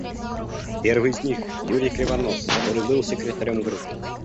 Первый из них — Юрий Кривонос, который был секретарем Группы.